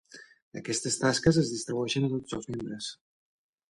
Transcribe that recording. Aquestes tasques es distribueixen a tots els membres.